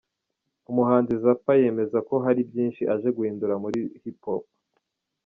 Umuhanzi Zappa yemeza ko hari byinshi aje guhindura muri Hip Hop.